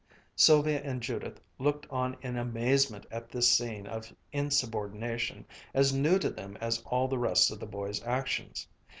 Sylvia and Judith looked on in amazement at this scene of insubordination, as new to them as all the rest of the boy's actions.